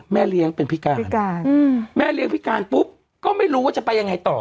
เลี้ยงเป็นพิการพิการแม่เลี้ยงพิการปุ๊บก็ไม่รู้ว่าจะไปยังไงต่อ